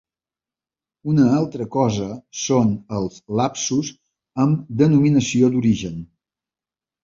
Una altra cosa són els lapsus amb denominació d'origen.